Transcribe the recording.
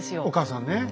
お母さんね。